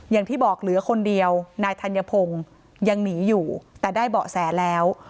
อย่างที่บอกเหลือคนเดียวนายธัญพงศ์ยังหนีอยู่แต่ได้เบาะแสแล้ว